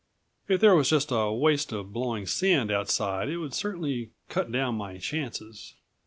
If there was just a waste of blowing sand outside it would certainly cut down my chances.